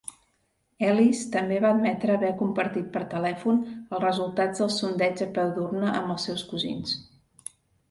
Ellis també va admetre haver compartit per telèfon els resultats del sondeig a peu d'urna amb els seus cosins.